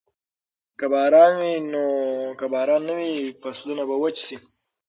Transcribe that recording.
که باران نه وي، فصلونه به وچ شي.